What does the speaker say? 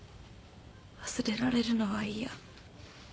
忘れられるのは嫌。